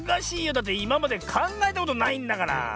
だっていままでかんがえたことないんだから。